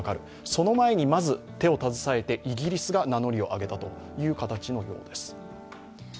その前にまず、手を携えてイギリスが名乗りを上げた形のようです。